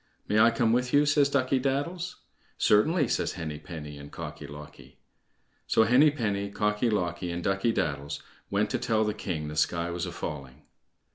"May I come with you?" says Ducky daddles. "Certainly," says Henny penny and Cocky locky. So Henny penny, Cocky locky, and Ducky daddles went to tell the king the sky was a falling.